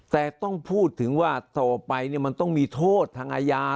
แต่ต้องพูดถึงว่าต่อไปมันต้องมีโทษทางอาญา